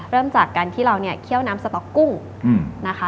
เริ่มจากการที่เราเนี่ยเคี่ยวน้ำสต๊อกกุ้งนะคะ